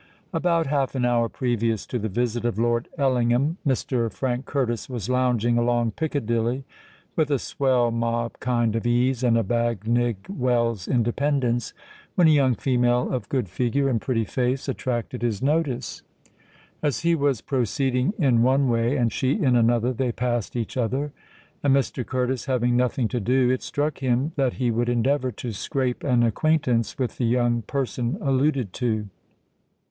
About half an hour previous to the visit of Lord Ellingham, Mr. Frank Curtis was lounging along Piccadilly with a swell mob kind of ease and a Bagnigge Wells' independence, when a young female, of good figure and pretty face, attracted his notice. As he was proceeding in one way, and she in another, they passed each other; and, Mr. Curtis having nothing to do, it struck him that he would endeavour to scrape an acquaintance with the young person alluded to.